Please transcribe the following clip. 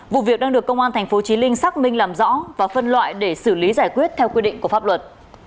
vụ việc đang được công an tp chí linh xác minh làm rõ và phân loại để xử lý giải quyết theo quy định của pháp luật